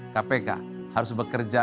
kpk harus bekerja